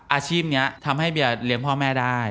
อาชีพนี้ทำให้เบียร์เลี้ยงพ่อแม่ได้